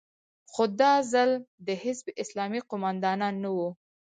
خو دا ځل د حزب اسلامي قومندانان نه وو.